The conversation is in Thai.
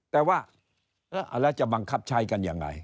แต่ว่าแล้วจะบังคับใช้กันยังไง